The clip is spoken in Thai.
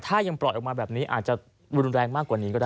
ถ้ายังปล่อยออกมาแบบนี้อาจจะรุนแรงมากกว่านี้ก็ได้